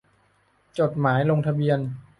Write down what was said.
จดหมายลงทะเบียน